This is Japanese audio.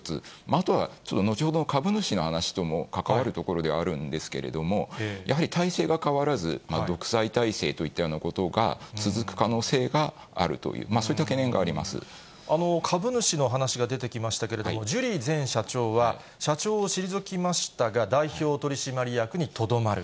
あとは後ほどの株主の話とも関わるところではあるんですけれども、やはり体制が変わらず、独裁体制といったようなことが続く可能性があるという、そういっ株主の話が出てきましたけれども、ジュリー前社長は、社長を退きましたが、代表取締役にとどまる。